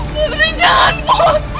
putri jangan put